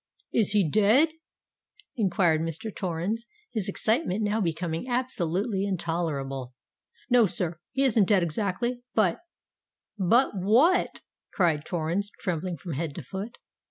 "Is he dead?" enquired Mr. Torrens, his excitement now becoming absolutely intolerable. "No, sir—he isn't dead exactly—but——" "But what?" cried Torrens, trembling from head to foot.